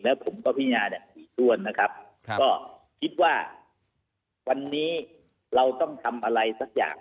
แล้วผมก็พินาอย่างถี่ถ้วนนะครับก็คิดว่าวันนี้เราต้องทำอะไรสักอย่าง